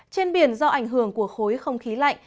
trên biển do ảnh hưởng của khối không khí lạnh